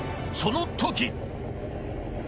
その時。